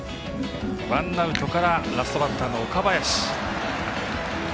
ワンアウトからラストバッターの岡林。